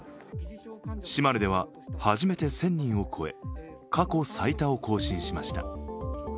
島根では、初めて１０００人を超え過去最多を更新しました。